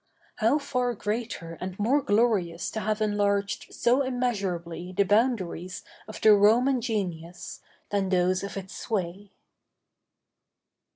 How far greater and more glorious to have enlarged so immeasurably the boundaries of the Roman genius, than those of its sway!